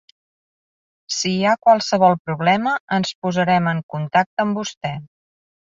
Si hi ha qualsevol problema ens posarem en contacte amb vostè.